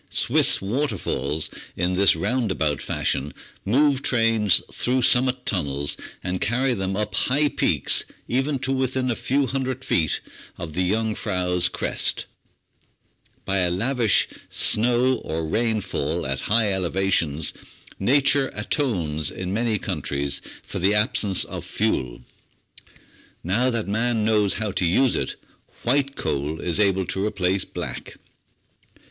Swiss waterfalls, in this roundabout fashion, move trains through sum mit tunnels, and carry them up high peaks even to within a few hundred feet of the Jungfrau's crest. By a lavish snow or rain fall at high elevations, nature atones in many countries for the absence of fuel. Now that man knows how to use it, "white coal" is able to replace black.